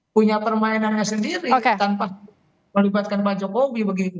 pemainannya sendiri tanpa melibatkan pak jokowi begitu